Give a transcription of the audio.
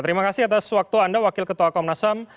terima kasih atas waktu anda wakil ketua komnas ham